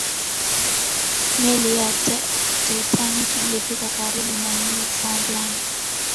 meli ya titanic ilifika karibu na newfoundland